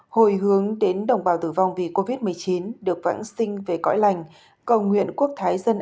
hồi hướng đến đồng bào tử vong vì covid một mươi chín được vãng sinh về cõi lành cầu nguyện quốc thái dân